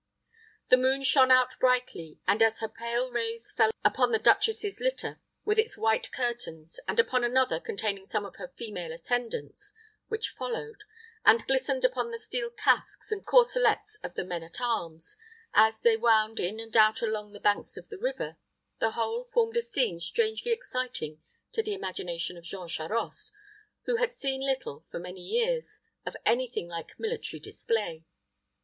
The moon shone out brightly; and as her pale rays fell upon the duchess's litter with its white curtains, and upon another, containing some of her female attendants, which followed, and glistened upon the steel casques and corselets of the men at arms as they wound in and out along the banks of the river, the whole formed a scene strangely exciting to the imagination of Jean Charost, who had seen little, for many years, of any thing like military display.